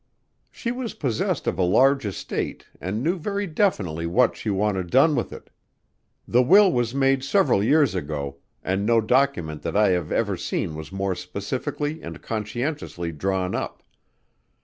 She was possessed of a large estate and knew very definitely what she wanted done with it. The will was made several years ago, and no document that I have ever seen was more specifically and conscientiously drawn up.